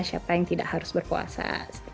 siapa yang tidak harus berpuasa